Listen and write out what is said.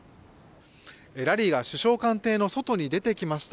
ラリーが首相官邸の外に出てきました。